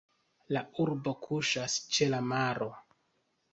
La urbo kuŝas ĉe la maro.